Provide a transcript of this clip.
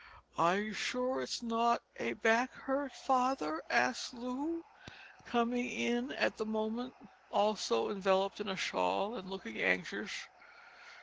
"Are you sure it's not a back hurt, father?" asked Loo, coming in at the moment also enveloped in a shawl, and looking anxious.